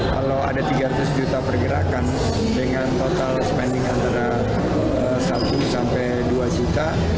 kalau ada tiga ratus juta pergerakan dengan total spending antara satu sampai dua juta